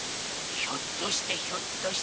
ひょっとしてひょっとして。